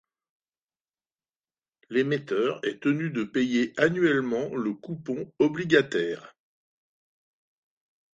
L'émetteur est tenu de payer annuellement le coupon obligataire.